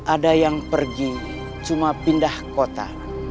ada yang pergi cuma pindah kota